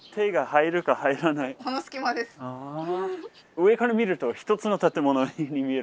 上から見ると１つの建物に見える。